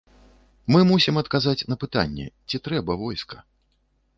Мы мусім адказаць на пытанне, ці трэба войска?